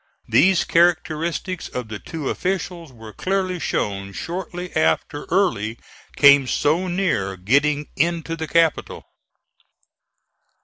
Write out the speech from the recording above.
These characteristics of the two officials were clearly shown shortly after Early came so near getting into the capital.